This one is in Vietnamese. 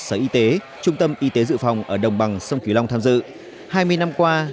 sở y tế trung tâm y tế dự phòng ở đồng bằng sông kiều long tham dự hai mươi năm qua